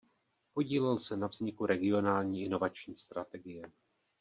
Podílel se na vzniku regionální inovační strategie.